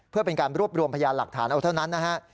เพื่อเป็นการรวบรวมพยานหลักฐานเอาเท่านั้นนะฮะ